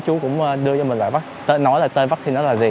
chú cũng đưa cho mình loại vaccine nói là tên vaccine đó là gì